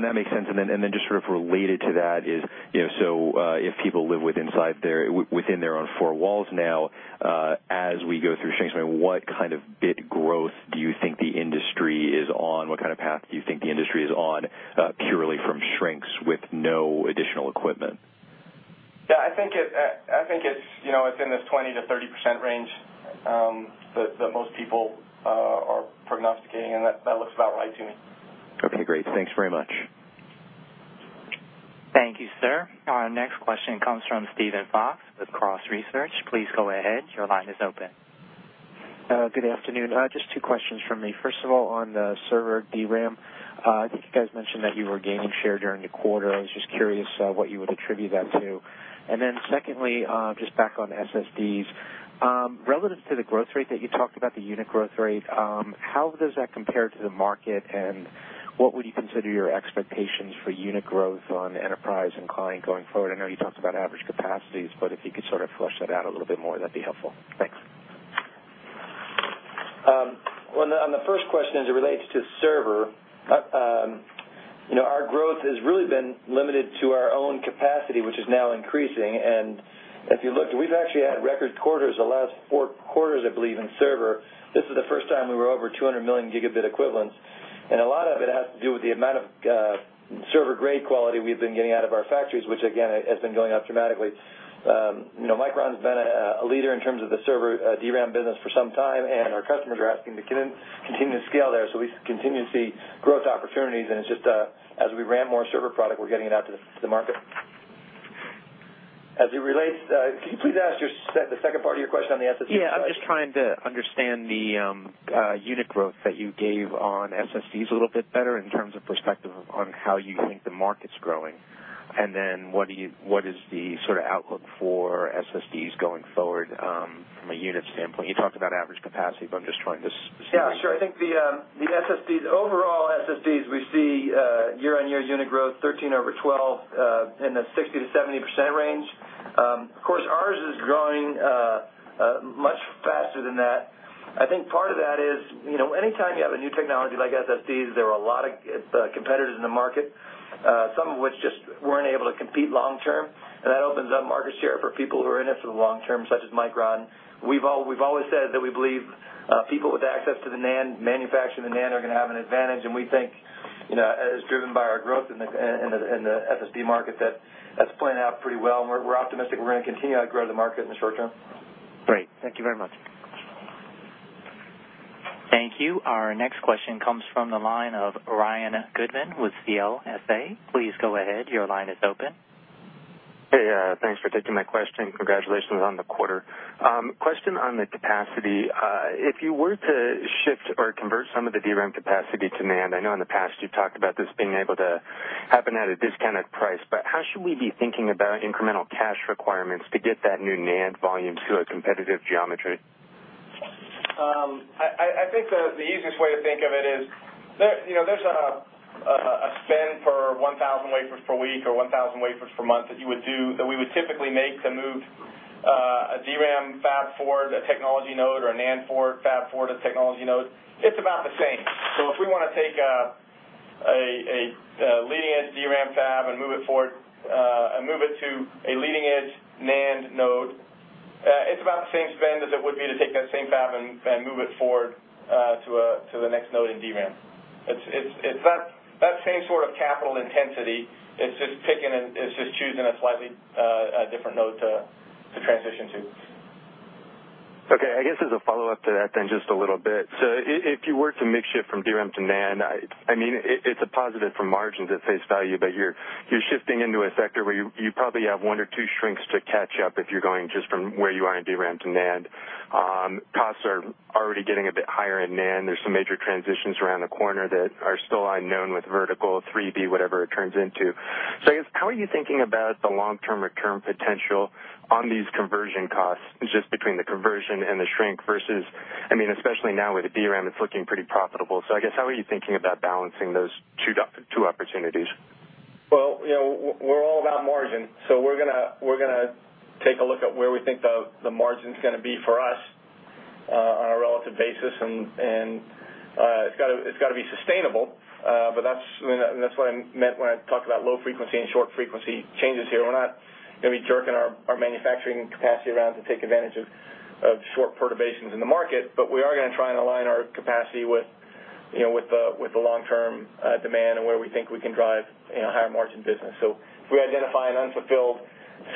That makes sense. Just sort of related to that is, if people live within their own four walls now, as we go through shrinks, what kind of bit growth do you think the industry is on? What kind of path do you think the industry is on purely from shrinks with no additional equipment? Yeah, I think it's in this 20%-30% range that most people are prognosticating, that looks about right to me. Okay, great. Thanks very much. Thank you, sir. Our next question comes from Steven Fox with Cross Research. Please go ahead. Your line is open. Good afternoon. Just two questions from me. First of all, on the server DRAM, I think you guys mentioned that you were gaining share during the quarter. I was just curious what you would attribute that to. Secondly, just back on SSDs. Relative to the growth rate that you talked about, the unit growth rate, how does that compare to the market, and what would you consider your expectations for unit growth on enterprise and client going forward? I know you talked about average capacities, but if you could sort of flesh that out a little bit more, that'd be helpful. Thanks. On the first question as it relates to server, our growth has really been limited to our own capacity, which is now increasing. If you looked, we've actually had record quarters the last four quarters, I believe, in server. This is the first time we were over 200 million gigabit equivalents, and a lot of it has to do with the amount of server-grade quality we've been getting out of our factories, which again, has been going up dramatically. Micron's been a leader in terms of the server DRAM business for some time, and our customers are asking to continue to scale there. We continue to see growth opportunities, and it's just as we ramp more server product, we're getting it out to the market. Can you please ask the second part of your question on the SSD side? Yeah, I'm just trying to understand the unit growth that you gave on SSDs a little bit better in terms of perspective on how you think the market's growing. Then what is the sort of outlook for SSDs going forward from a unit standpoint? You talked about average capacity, but I'm just trying to see. Yeah, sure. I think the overall SSDs, we see year-on-year unit growth 2013 over 2012, in the 60%-70% range. Of course, ours is growing much faster than that. I think part of that is, anytime you have a new technology like SSDs, there are a lot of competitors in the market, some of which just weren't able to compete long term. That opens up market share for people who are in it for the long term, such as Micron. We've always said that we believe people with access to the NAND manufacturing, the NAND are going to have an advantage, we think as driven by our growth in the SSD market, that's playing out pretty well. We're optimistic we're going to continue to outgrow the market in the short term. Great. Thank you very much. Thank you. Our next question comes from the line of Ryan Goodman with CLSA. Please go ahead. Your line is open. Hey, thanks for taking my question. Congratulations on the quarter. Question on the capacity. If you were to shift or convert some of the DRAM capacity to NAND, I know in the past you've talked about this being able to happen at a discounted price, but how should we be thinking about incremental cash requirements to get that new NAND volume to a competitive geometry? I think the easiest way to think of it is, there's a spend for 1,000 wafers per week or 1,000 wafers per month that we would typically make to move a DRAM fab forward a technology node or a NAND forward, fab forward a technology node. It's about the same. If we want to take a leading-edge DRAM fab and move it to a leading-edge NAND node, it's about the same spend as it would be to take that same fab and move it forward to the next node in DRAM. It's that same sort of capital intensity. It's just choosing a slightly different node to transition to. Okay. I guess as a follow-up to that then just a little bit. If you were to make shift from DRAM to NAND, it's a positive for margins at face value, but you're shifting into a sector where you probably have one or two shrinks to catch up if you're going just from where you are in DRAM to NAND. Costs are already getting a bit higher in NAND. There's some major transitions around the corner that are still unknown with vertical 3D, whatever it turns into. I guess, how are you thinking about the long-term return potential on these conversion costs, just between the conversion and the shrink versus, especially now with the DRAM, it's looking pretty profitable. I guess how are you thinking about balancing those two opportunities? Well, we're all about margin, we're going to take a look at where we think the margin's going to be for us on a relative basis, and it's got to be sustainable. That's what I meant when I talked about low frequency and short frequency changes here. We're not going to be jerking our manufacturing capacity around to take advantage of short perturbations in the market, but we are going to try and align our capacity with the long-term demand and where we think we can drive higher margin business. If we identify an unfulfilled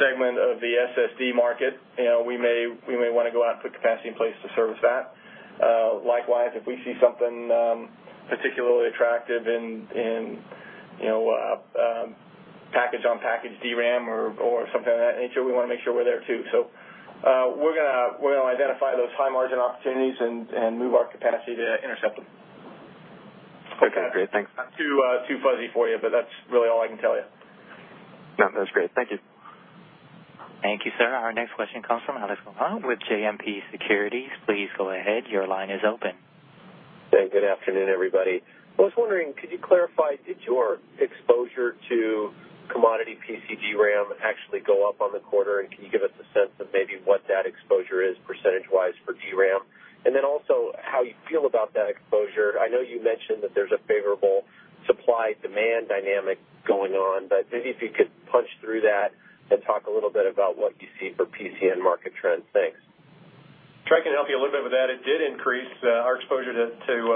segment of the SSD market, we may want to go out and put capacity in place to service that. Likewise, if we see something particularly attractive in package-on-package DRAM or something of that nature, we want to make sure we're there, too. We're going to identify those high-margin opportunities and move our capacity to intercept them. Okay, great. Thanks. Not too fuzzy for you, that's really all I can tell you. No, that's great. Thank you. Thank you, sir. Our next question comes from Alex Gauna with JMP Securities. Please go ahead. Your line is open. Good afternoon, everybody. I was wondering, could you clarify, did your exposure to commodity PC DRAM actually go up on the quarter? Can you give us a sense of maybe what that exposure is percentage-wise for DRAM? Also how you feel about that exposure. I know you mentioned that there's a favorable supply-demand dynamic going on, maybe if you could punch through that and talk a little bit about what you see for PC and market trends. Thanks. [inaudible] can help you a little bit with that. It did increase, our exposure to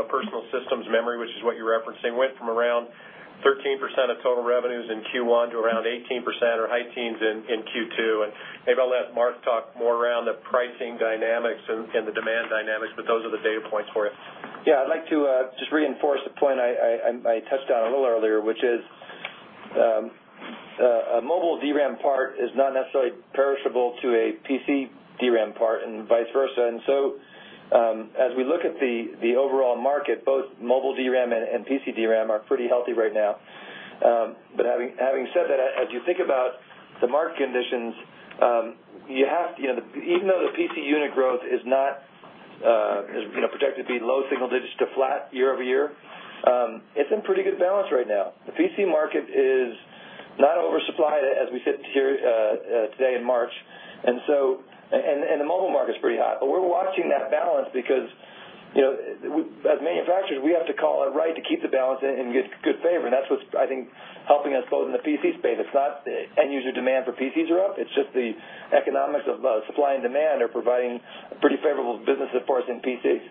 personal systems memory, which is what you're referencing, went from around 13% of total revenues in Q1 to around 18% or high teens in Q2. Maybe I'll let Mark talk more around the pricing dynamics and the demand dynamics, those are the data points for it. Yeah, I'd like to just reinforce the point I touched on a little earlier, which is, a mobile DRAM part is not necessarily perishable to a PC DRAM part and vice versa. As we look at the overall market, both mobile DRAM and PC DRAM are pretty healthy right now. Having said that, as you think about the market conditions, even though the PC unit growth is projected to be low single digits to flat year-over-year, it's in pretty good balance right now. The PC market is not oversupplied as we sit here today in March. The mobile market's pretty hot. We're watching that balance because, as manufacturers, we have to call it right to keep the balance and get good favor, and that's what's, I think, helping us both in the PC space. It's not end-user demand for PCs are up, it's just the economics of supply and demand are providing a pretty favorable business for us in PCs.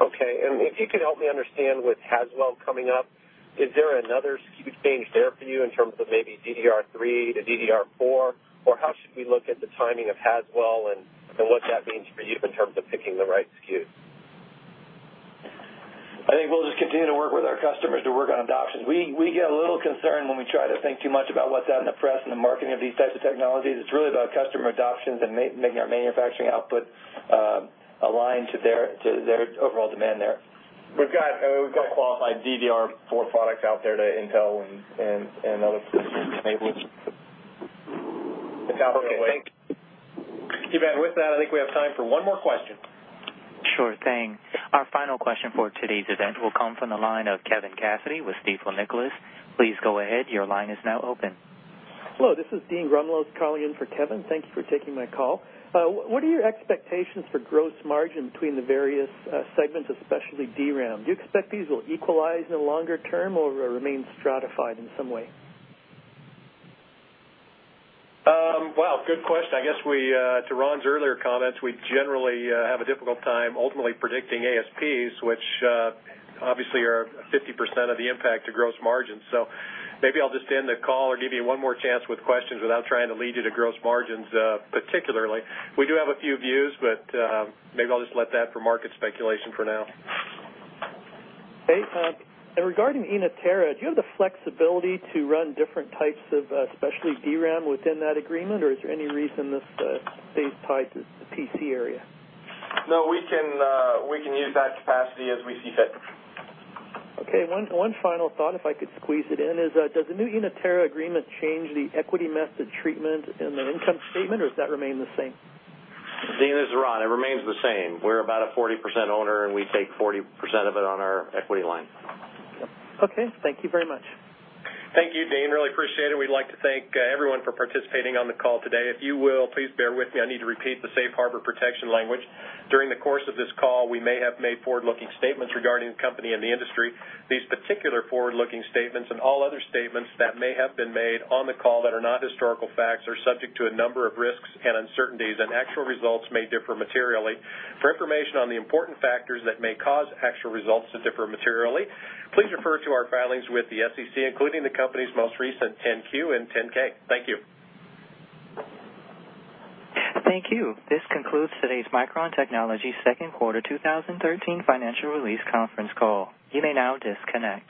Okay. If you could help me understand with Haswell coming up, is there another SKU change there for you in terms of maybe DDR3 to DDR4, or how should we look at the timing of Haswell and what that means for you in terms of picking the right SKU? I think we'll just continue to work with our customers to work on adoptions. We get a little concerned when we try to think too much about what's out in the press and the marketing of these types of technologies. It's really about customer adoptions and making our manufacturing output aligned to their overall demand there. We've got qualified DDR4 products out there to Intel and other systems enablers. Okay, thank you. With that, I think we have time for one more question. Sure thing. Our final question for today's event will come from the line of Kevin Cassidy with Stifel Nicolaus. Please go ahead. Your line is now open. Hello, this is Dean Grumlose calling in for Kevin. Thank you for taking my call. What are your expectations for gross margin between the various segments, especially DRAM? Do you expect these will equalize in the longer term or remain stratified in some way? Wow, good question. I guess to Ron's earlier comments, we generally have a difficult time ultimately predicting ASPs, which obviously are 50% of the impact to gross margin. Maybe I'll just end the call or give you one more chance with questions without trying to lead you to gross margins, particularly. We do have a few views, but maybe I'll just let that for market speculation for now. Okay. Regarding Inotera, do you have the flexibility to run different types of especially DRAM within that agreement, or is there any reason this stays tied to the PC area? No, we can use that capacity as we see fit. Okay, one final thought if I could squeeze it in, is does the new Inotera agreement change the equity method treatment in the income statement, or does that remain the same? Dean, this is Ron. It remains the same. We're about a 40% owner, and we take 40% of it on our equity line. Okay. Thank you very much. Thank you, Dean. Really appreciate it. We'd like to thank everyone for participating on the call today. If you will, please bear with me. I need to repeat the safe harbor protection language. During the course of this call, we may have made forward-looking statements regarding the company and the industry. These particular forward-looking statements and all other statements that may have been made on the call that are not historical facts are subject to a number of risks and uncertainties, and actual results may differ materially. For information on the important factors that may cause actual results to differ materially, please refer to our filings with the SEC, including the company's most recent 10-Q and 10-K. Thank you. Thank you. This concludes today's Micron Technology second quarter 2013 financial release conference call. You may now disconnect.